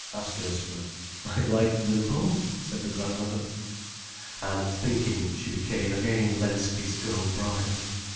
asked Ursula. "I liked them both," said the grandmother. And, thinking, she became again Lensky's girl bride.